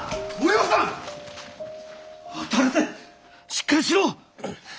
高瀬しっかりしろ！